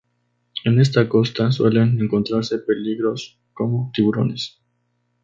En esta costa suelen encontrarse peligros, como tiburones.